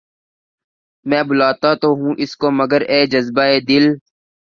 میں بلاتا تو ہوں اس کو مگر اے جذبہ ِ دل